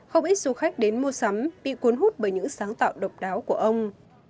không ít du khách đến mua sắm bị cuốn hút bởi những sáng tạo độc đáo của ông